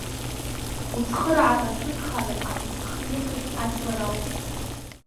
Уцхыраара сыгхарым, аха сыхгьы акы аӡбыр ауми!